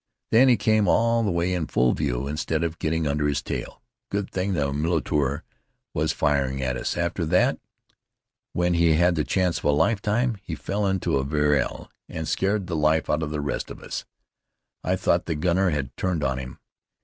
Then he came all the way in full view, instead of getting under his tail. Good thing the mitrailleur was firing at us. After that, when he had the chance of a lifetime, he fell into a vrille and scared the life out of the rest of us. I thought the gunner had turned on him.